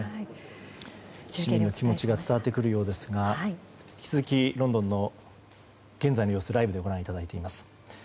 市民の気持ちが伝わってくるようですが引き続きロンドンの現在の様子ライブでご覧いただいています。